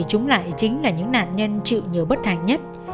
chúng lại chính là những nạn nhân trị nhớ bất hạnh nhất